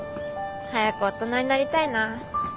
早く大人になりたいな。